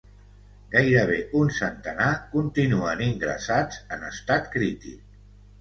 Gairebé un centenar continuen ingressats en estat crític.